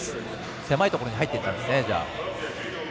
狭いところに入っていったんですね。